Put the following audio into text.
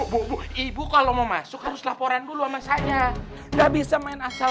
hehehe hehehe hehehe hehehe ibu kalau mau masuk harus laporan dulu sama saya nggak bisa main asal